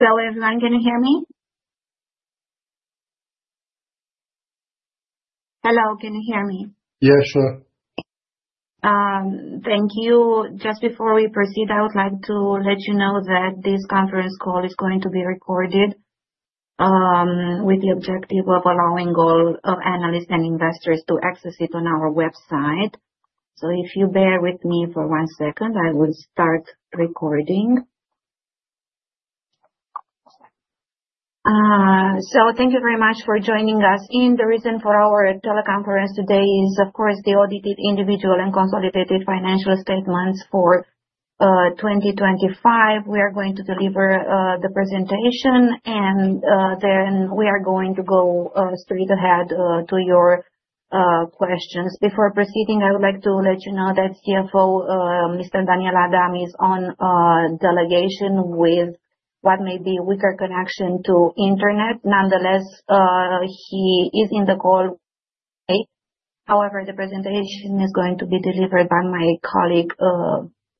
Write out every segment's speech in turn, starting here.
Hello, everyone. Can you hear me? Hello, can you hear me? Yeah, sure. Thank you. Just before we proceed, I would like to let you know that this conference call is going to be recorded, with the objective of allowing all of analysts and investors to access it on our website. If you bear with me for one second, I will start recording. Thank you very much for joining us, and the reason for our teleconference today is, of course, the audited individual and consolidated financial statements for 2025. We are going to deliver the presentation, and then we are going to go straight ahead to your questions. Before proceeding, I would like to let you know that CFO Mr. Daniel Adam is on delegation with what may be a weaker connection to the internet. Nonetheless, he is in the call. However, the presentation is going to be delivered by my colleague,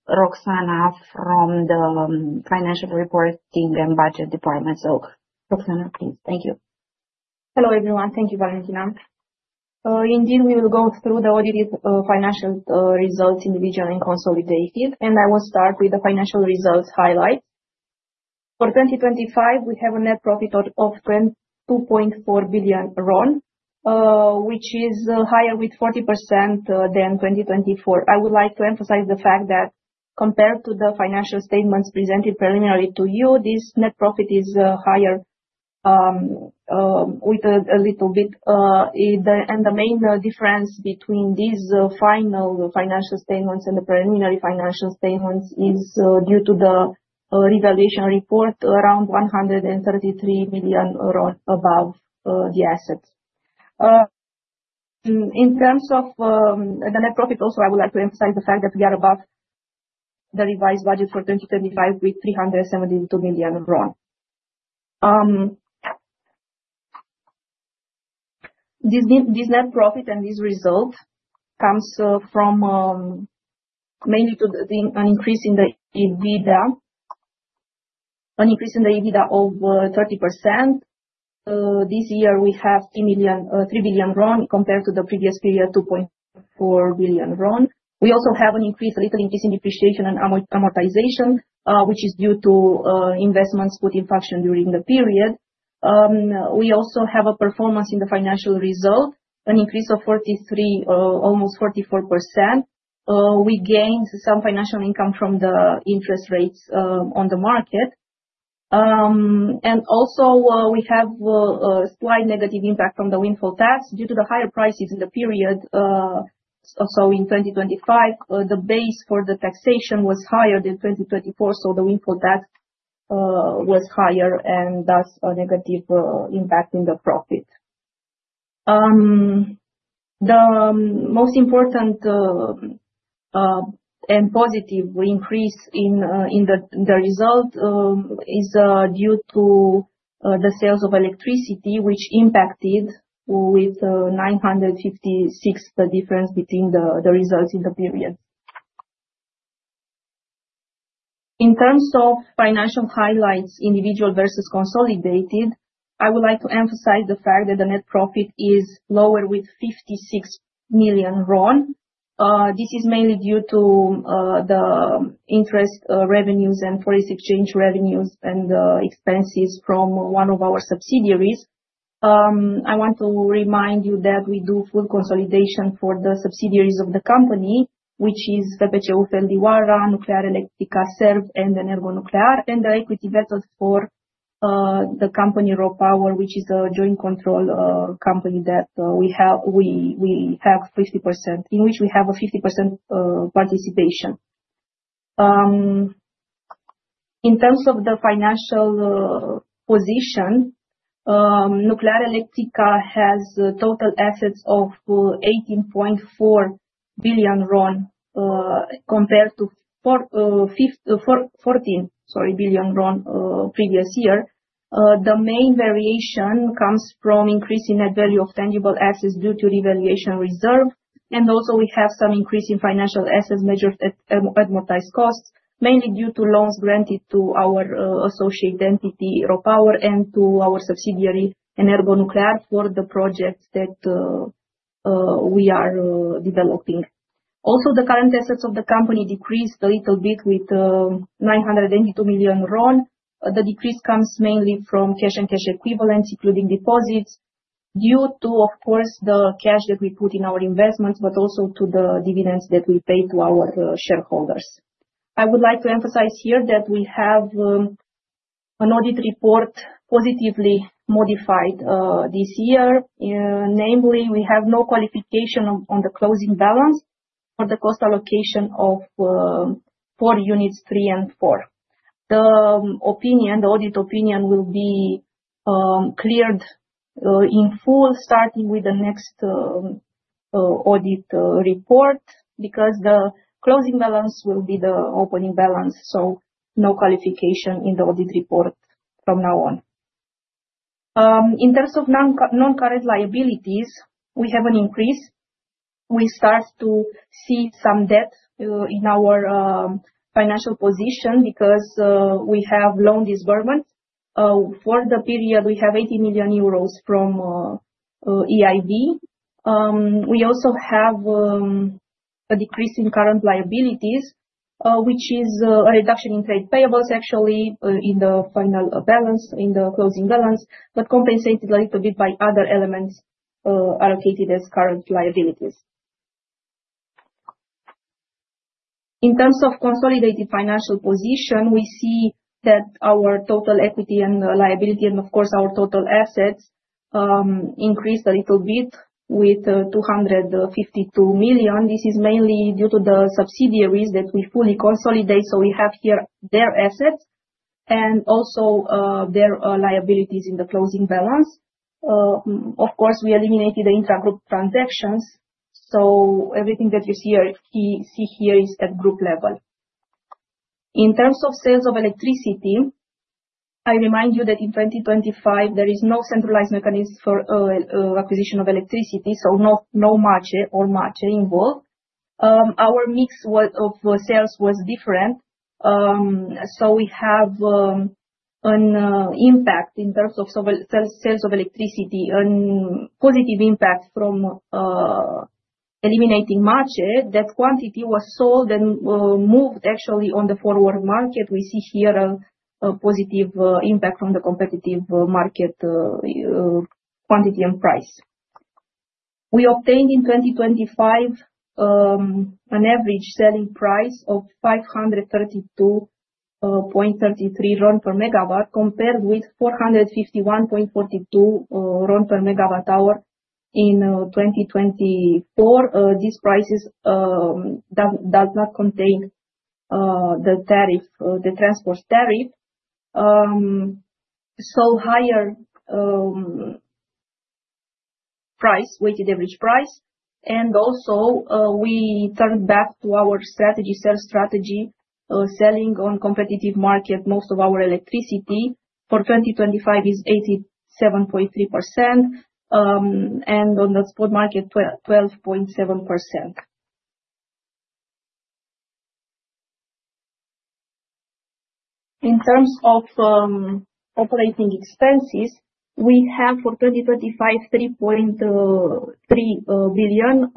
Roxanna from the Financial Reporting and Budget Department. Roxanna, please. Thank you. Hello, everyone. Thank you, Valentina. Indeed, we will go through the audited financial results, individual and consolidated, and I will start with the financial results highlights. For 2025, we have a net profit of RON 2.4 billion, which is higher with 40% than 2024. I would like to emphasize the fact that compared to the financial statements presented preliminarily to you, this net profit is higher with a little bit. The main difference between these final financial statements and the preliminary financial statements is due to the revaluation report, around RON 133 million above the assets. In terms of the net profit also, I would like to emphasize the fact that we are above the revised budget for 2025 with RON 372 million. This net profit and this result comes from mainly due to an increase in the EBITDA of 30%. This year we have RON 3 billion compared to the previous year, RON 2.4 billion. We also have a little increase in depreciation and amortization, which is due to investments put into service during the period. We also have a performance in the financial result, an increase of almost 44%. We gained some financial income from the interest rates on the market. We have a slight negative impact from the windfall tax due to the higher prices in the period, so in 2025, the base for the taxation was higher than 2024, so the windfall tax was higher and that's a negative impact in the profit. The most important and positive increase in the result is due to the sales of electricity, which impacted with RON 956 million, the difference between the results in the period. In terms of financial highlights, individual versus consolidated, I would like to emphasize the fact that the net profit is lower with RON 56 million. This is mainly due to the interest revenues and foreign exchange revenues and expenses from one of our subsidiaries. I want to remind you that we do full consolidation for the subsidiaries of the company, which is FPCU Feldioara, Nuclearelectrica Serv, and EnergoNuclear. The equity method for the company RoPower Nuclear, which is a joint control company that we have 50% participation in. In terms of the financial position, Nuclearelectrica has total assets of RON 18.4 billion compared to RON 14 billion previous year. The main variation comes from increase in net value of tangible assets due to revaluation reserve. We have some increase in financial assets measured at amortized costs, mainly due to loans granted to our associate entity, RoPower, and to our subsidiary, EnergoNuclear, for the projects that we are developing. Also, the current assets of the company decreased a little bit with RON 982 million. The decrease comes mainly from cash and cash equivalents, including deposits, due to, of course, the cash that we put in our investments, but also to the dividends that we pay to our shareholders. I would like to emphasize here that we have an audit report positively modified this year. Namely, we have no qualification on the closing balance for the cost allocation of Units 3 and 4. The opinion, the audit opinion will be cleared in full starting with the next audit report because the closing balance will be the opening balance, so no qualification in the audit report from now on. In terms of non-current liabilities, we have an increase. We start to see some debt in our financial position because we have loan disbursement. For the period, we have 80 million euros from EIB. We also have a decrease in current liabilities, which is a reduction in trade payables actually in the final balance, in the closing balance, but compensated a little bit by other elements allocated as current liabilities. In terms of consolidated financial position, we see that our total equity and liability, and of course, our total assets, increased a little bit by RON 252 million. This is mainly due to the subsidiaries that we fully consolidate, so we have here their assets and also their liabilities in the closing balance. Of course, we eliminated the intragroup transactions, so everything that you see here is at group level. In terms of sales of electricity, I remind you that in 2025 there is no centralized mechanism for acquisition of electricity, so no MACEE involved. Our mix of sales was different. So we have an impact in terms of sales of electricity and positive impact from eliminating MACEE. That quantity was sold and, actually, moved on the forward market. We see here a positive impact from the competitive market, quantity and price. We obtained in 2025 an average selling price of 532.33 RON per megawatt, compared with RON 451.42 per MWh in 2024. These prices does not contain the transport tariff. Higher price, weighted average price, and also, we turned back to our strategy, sales strategy, selling on competitive market. Most of our electricity for 2025 is 87.3%, and on the spot market, 12.7%. In terms of operating expenses, we have for 2025, RON 3.3 billion,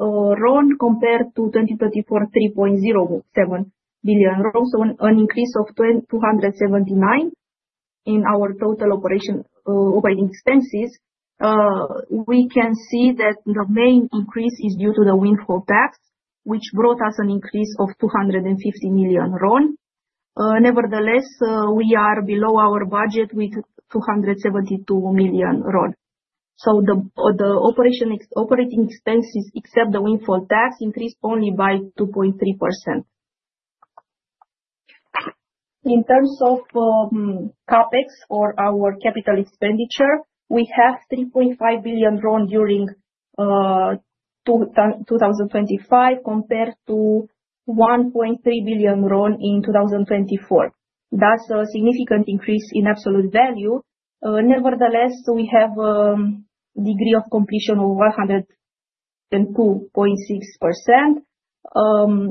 compared to 2024, RON 3.07 billion. An increase of RON 279 million in our total operating expenses. We can see that the main increase is due to the windfall tax, which brought us an increase of RON 250 million. Nevertheless, we are below our budget with RON 272 million. The operating expenses, except the windfall tax, increased only by 2.3%. In terms of CapEx or our capital expenditure, we have RON 3.5 billion during 2025, compared to RON 1.3 billion in 2024. That's a significant increase in absolute value. Nevertheless, we have degree of completion of 102.6%,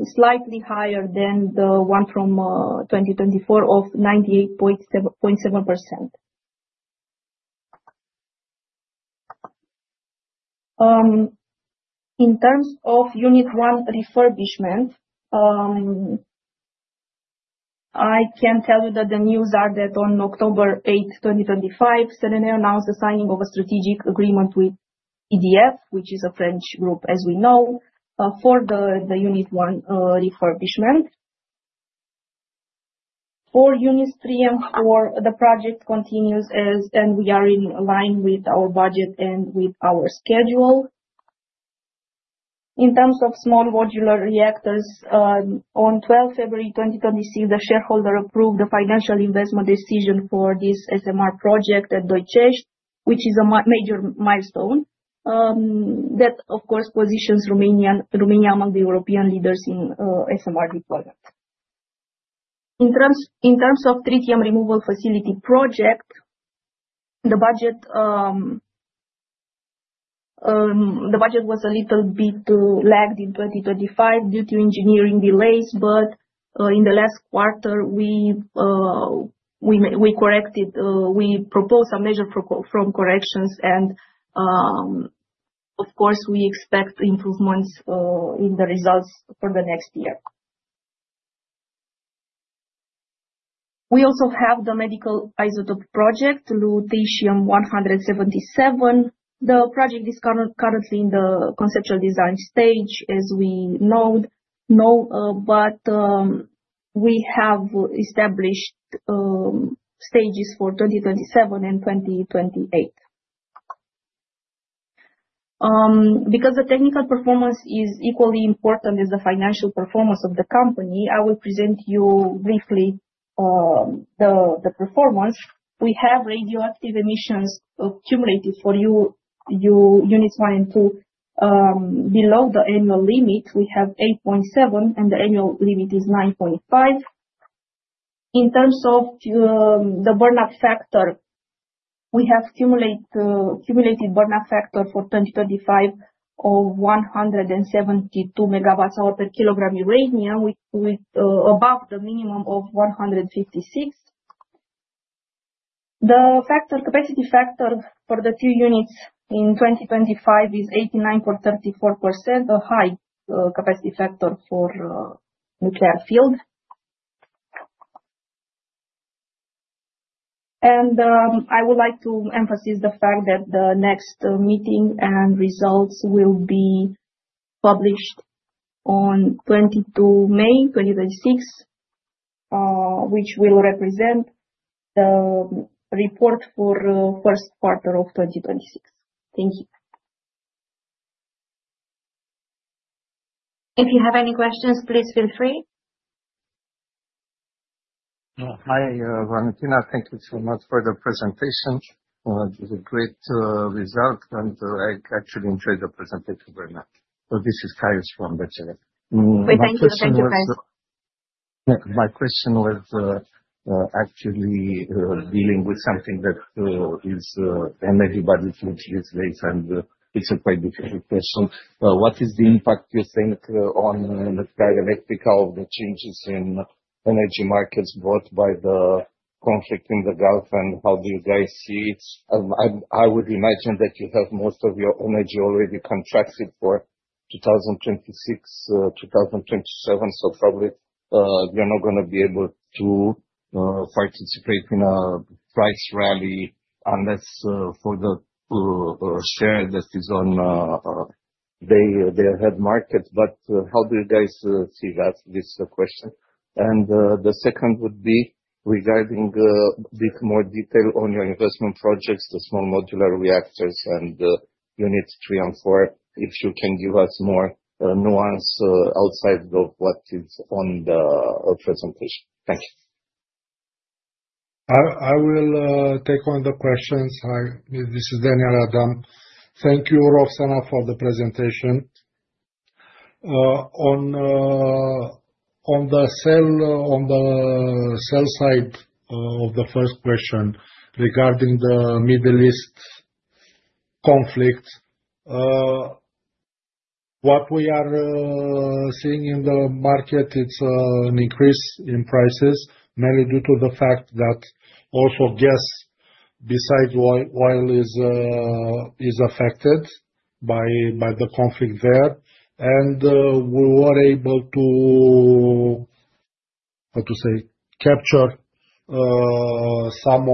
slightly higher than the one from 2024, of 98.7%. In terms of Unit 1 refurbishment, I can tell you that the news are that on October 8th, 2025, Cernavodă announced the signing of a strategic agreement with EDF, which is a French group, as we know, for the Unit 1 refurbishment. For Units 3 and 4, the project continues, and we are in line with our budget and with our schedule. In terms of small modular reactors, on February 12, 2026, the shareholder approved the financial investment decision for this SMR project at Doicești, which is a major milestone. That, of course, positions Romania among the European leaders in SMR deployment. In terms of tritium removal facility project, the budget was a little bit lagged in 2025 due to engineering delays, but in the last quarter we corrected. We proposed some measure from corrections and, of course, we expect improvements in the results for the next year. We also have the medical isotope project, lutetium-177. The project is currently in the conceptual design stage, as we know, but we have established stages for 2027 and 2028. Because the technical performance is equally important as the financial performance of the company, I will present you briefly the performance. We have radioactive emissions accumulated for Units 1 and 2 below the annual limit. We have 8.7, and the annual limit is 9.5. In terms of the burnup factor, we have cumulated burnup factor for 2035 of 172 MWh/kg uranium, with above the minimum of 156 MWh/kg. Capacity factor for the two units in 2025 is 89.34%, a high capacity factor for nuclear field. I would like to emphasize the fact that the next meeting and results will be published on May 22, 2026, which will represent the report for first quarter of 2026. Thank you. If you have any questions, please feel free. Hi, Valentina. Thank you so much for the presentation. It was a great result, and I actually enjoyed the presentation very much. This is Kaius. Thank you. Thank you, Kai. My question was, actually, dealing with something that is on everybody's lips these days, and it's a quite difficult question. What is the impact, you think, on Nuclearelectrica, of the changes in energy markets brought by the conflict in the Gulf, and how do you guys see it? I would imagine that you have most of your energy already contracted for 2026, 2027, so probably you're not gonna be able to participate in a price rally unless for the share that is on the day-ahead market. How do you guys see that, this question? The second would be regarding a bit more detail on your investment projects, the small modular reactors and Units 3 and 4, if you can give us more nuance outside of what is on the presentation? Thank you. I will take on the questions. Hi, this is Daniel Adam. Thank you, Roxanna, for the presentation. On the sell side of the first question, regarding the Middle East conflict, what we are seeing in the market is an increase in prices, mainly due to the fact that gas, besides oil, is affected by the conflict there. We were able to capture some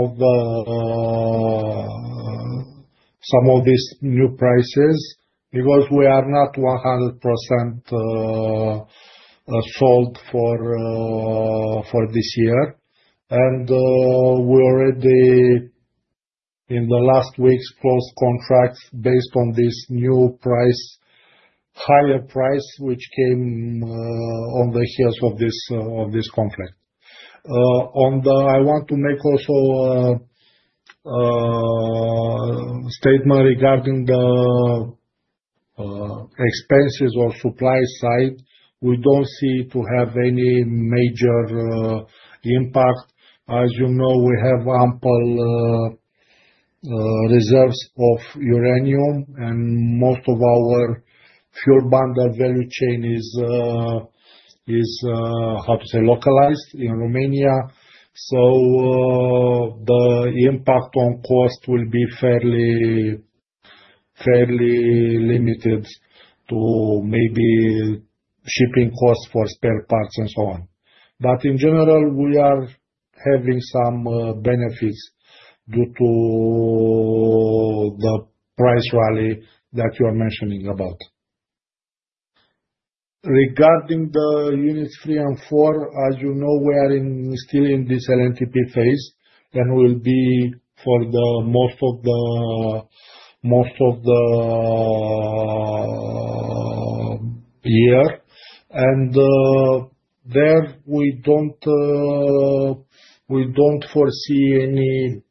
of these new prices, because we are not 100% sold for this year. We already, in the last weeks, closed contracts based on this new, higher price, which came on the heels of this conflict. I want to make also a statement regarding the expenses or supply side. We don't see any major impact. As you know, we have ample reserves of uranium, and most of our fuel bundle value chain is how to say, localized in Romania. So, the impact on cost will be fairly limited to maybe shipping costs for spare parts and so on. But in general, we are having some benefits due to the price rally that you are mentioning about. Regarding the Units 3 and 4, as you know, we are still in this LNTP phase, and will be for most of the year. There, we don't foresee any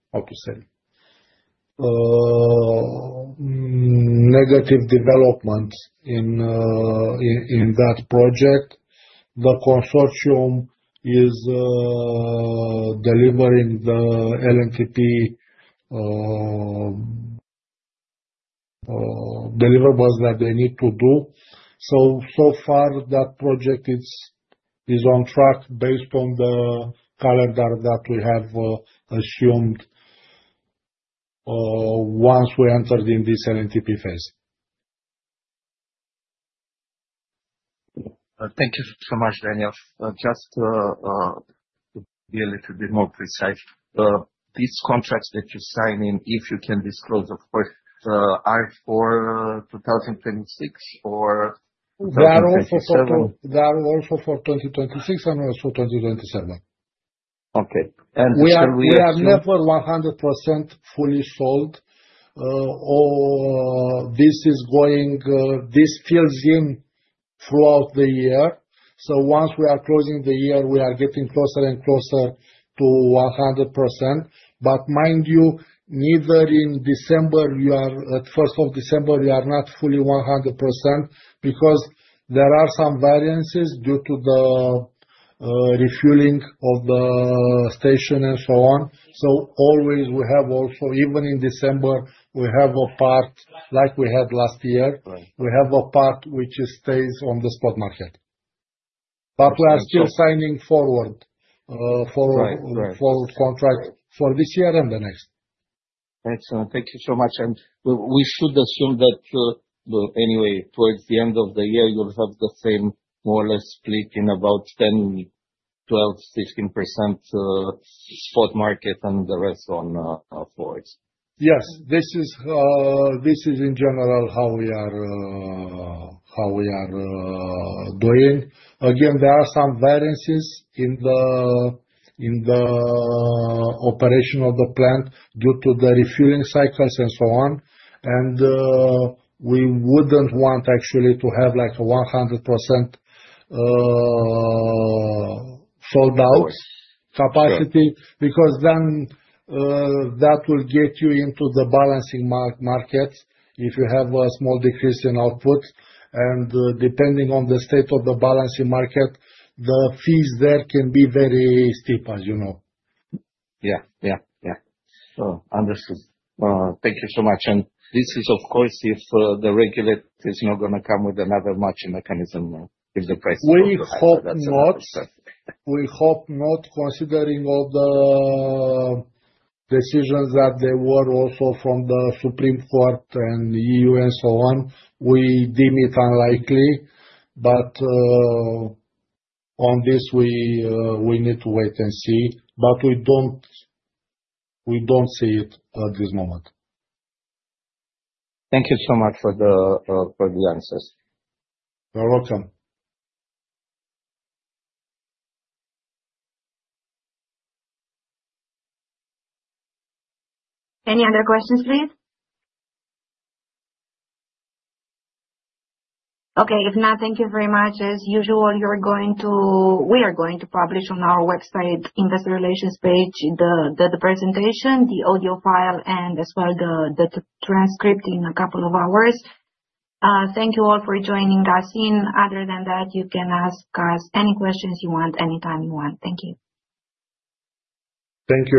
negative developments in that project. The consortium is delivering the LNTP deliverables that they need to do. So far that project is on track based on the calendar that we have assumed once we entered in this LNTP phase. Thank you so much, Daniel. Just to be a little bit more precise, these contracts that you're signing, if you can disclose of course, are for 2026 or 2027? They are also for 2026 and also 2027. Okay. We assume. We are never 100% fully sold. This fills in throughout the year. Once we are closing the year, we are getting closer and closer to 100%. Mind you, not even in December we are at first of December, we are not fully 100% because there are some variances due to the refueling of the station and so on. We always have also, even in December, we have a part like we had last year. Right. We have a part which stays on the spot market. We are still signing forward. Right. Forward contract for this year and the next. Excellent. Thank you so much. We should assume that, well, anyway, towards the end of the year you'll have the same, more or less split in about 10%, 12%, 16%, spot market and the rest on, forwards. Yes. This is in general how we are doing. Again, there are some variances in the operation of the plant due to the refueling cycles and so on. We wouldn't want actually to have like 100% sold out. Of course. ...Capacity. Sure. Because then, that will get you into the balancing market. If you have a small decrease in output and, depending on the state of the balancing market, the fees there can be very steep, as you know. Yeah. Understood. Thank you so much. This is of course if the regulator is not gonna come with another matching mechanism, if the prices go higher. We hope not, considering all the decisions that there were also from the Supreme Court and the EU and so on. We deem it unlikely. On this we need to wait and see. We don't see it at this moment. Thank you so much for the answers. You're welcome. Any other questions, please? Okay. If not, thank you very much. As usual, we are going to publish on our website investor relations page the presentation, the audio file, and as well the transcript in a couple of hours. Thank you all for joining us. Other than that, you can ask us any questions you want, anytime you want. Thank you. Thank you.